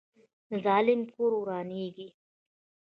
د ظالم کور ورانیږي